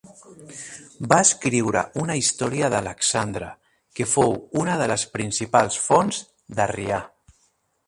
Va escriure una història d'Alexandre que fou una de les principals fonts d'Arrià.